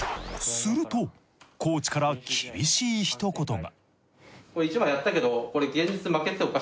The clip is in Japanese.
するとコーチから厳しいひと言が。